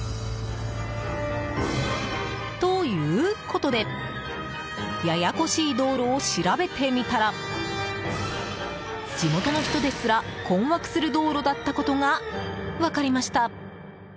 ということでややこしい道路を調べてみたら地元の人ですら困惑する道路だったことが分かりました。